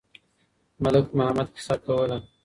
ملک محمد قصه کوله.